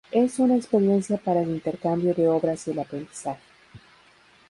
Es una experiencia para el intercambio de obras y el aprendizaje.